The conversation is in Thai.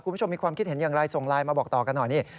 คุณผู้ชมมีความคิดเห็นอย่างไรส่งไลน์มาบอกต่อกันหน่อยนี่